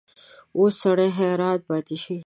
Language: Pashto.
اوس سړی حیران پاتې شي.